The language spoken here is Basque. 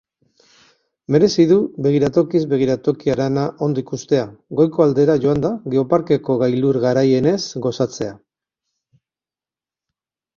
Merezi du begiratokiz begiratoki harana ondo ikustea, goiko aldera joanda Geoparkeko gailur garaienez gozatzea.